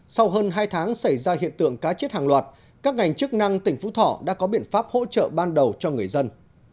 sau hơn hai tháng xảy ra hiện tượng cá chết hàng loạt các ngành chức năng tỉnh phú thọ đã có biện pháp hỗ trợ ban đầu cho người dân